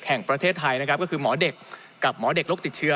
แห่งประเทศไทยนะครับก็คือหมอเด็กกับหมอเด็กโรคติดเชื้อ